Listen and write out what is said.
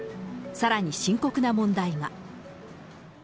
さらに深刻な問題が。